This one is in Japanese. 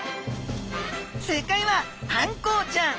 正解はあんこうちゃん！